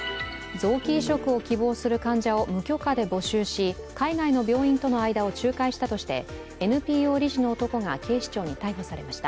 臓器移植を希望する患者を無許可で募集し海外の病院との間を仲介したとしてＮＰＯ理事の男が警視庁に逮捕されました。